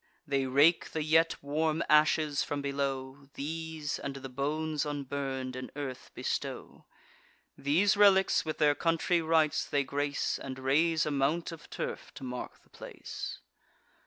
They rake the yet warm ashes from below; These, and the bones unburn'd, in earth bestow; These relics with their country rites they grace, And raise a mount of turf to mark the place.